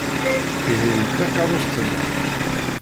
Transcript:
Tihin d takeṛṛust-nnem.